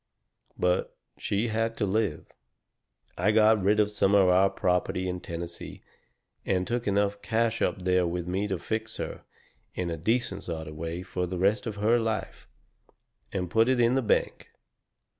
But she had to live. I got rid of some of our property in Tennessee, and took enough cash up there with me to fix her, in a decent sort of way, for the rest of her life, and put it in the bank.